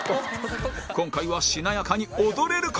今回はしなやかに踊れるか？